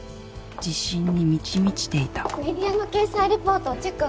自信に満ち満ちていたメディアの掲載レポートチェック